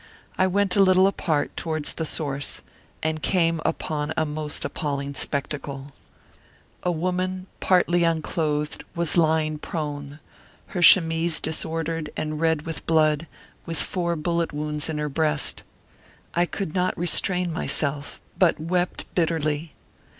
I went a little apart, towards the source, and came upon a most appalling spectacle. A woman, partly un 16 Martyred Armenia clothed, was lying prone, her chemise disordered and red with blood, with four bullet wounds in her breast. I could not restrain myself, but wept bit terly.